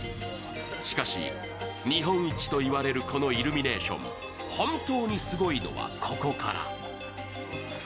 しかし、日本一といわれるこのイルミネーション、本当にすごいのは、ここから。